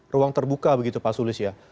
ruang terbuka begitu pak sulis ya